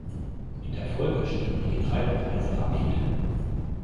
In der Folge stiegen die Getreidepreise rapide.